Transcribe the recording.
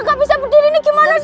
nggak bisa berdiri nih gimana dong